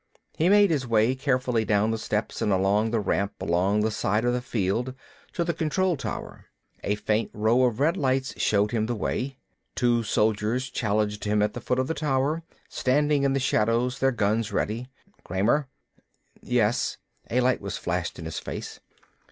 He made his way carefully down the steps and along the ramp along the side of the field, to the control tower. A faint row of red lights showed him the way. Two soldiers challenged him at the foot of the tower, standing in the shadows, their guns ready. "Kramer?" "Yes." A light was flashed in his face.